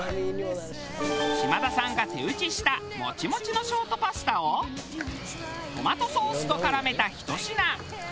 島田さんが手打ちしたモチモチのショートパスタをトマトソースと絡めたひと品。